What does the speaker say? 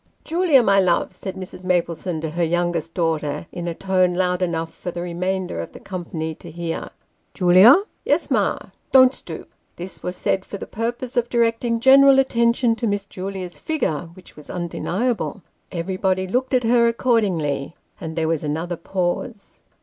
" Julia my love," said Mrs. Maplesone to her youngest daughter, in a tone loud enough for the remainder of the company to hear " Julia." " Yes, ma." " Don't stoop." This was said for the purpose of directing general attention to Miss Julia's figure, which was undeniable. Everybody looked at her, accordingly, and there was another pause.